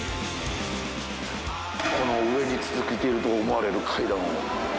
この上に続いていると思われる階段を。